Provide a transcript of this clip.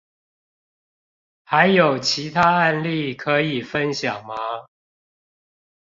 還有其他案例可以分享嗎？